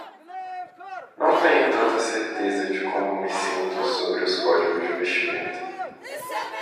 Não tenho tanta certeza de como me sinto sobre os códigos de vestimenta.